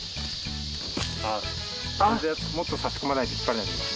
あっもっと差し込まないと引っ張れないです。